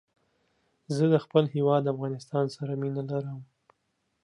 زه د خپل هېواد افغانستان سره مينه لرم